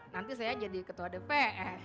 nanti saya jadi ketua dpr